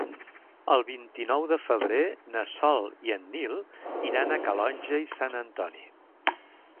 El vint-i-nou de febrer na Sol i en Nil iran a Calonge i Sant Antoni.